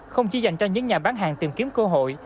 không chỉ dành cho những nhà bán hàng tìm kiếm cơ hội